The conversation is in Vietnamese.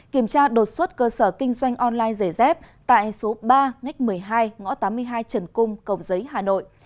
kiểm tra đột xuất cơ sở kinh doanh online giấy dép tại số ba ngách một mươi hai ngõ tám mươi hai trần cung cộng giấy hà nội